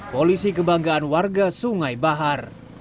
polisi kebanggaan warga sungai bahar